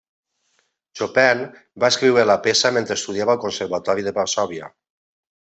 Chopin va escriure la peça mentre estudiava al Conservatori de Varsòvia.